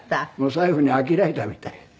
最後に諦めたみたい。